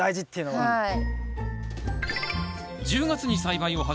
はい。